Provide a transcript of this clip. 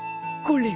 これ？